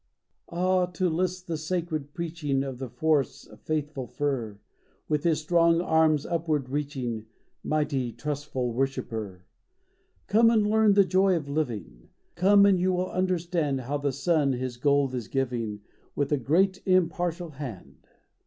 Ah, to list the sacred preaching Of the forest's faithful fir, With his strong arms upward reaching Mighty, trustful worshipper ! Come and learn the joy of living! Come and 3^ou will understand How the sun his gold is giving With a great, impartial hand I THE SONG OF THE FOREST RANGER.